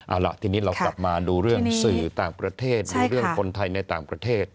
เอาล่ะทีนี้เรากลับมาดูเรื่องสื่อต่างประเทศดูเรื่องคนไทยในต่างประเทศ